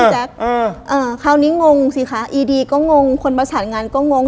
อืมอืมอืมเอ่อคราวนี้งงสิคะอีดีก็งงคนประสานงานก็งง